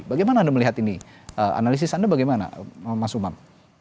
bagaimana anda melihat ini analisis anda bagaimana mas umam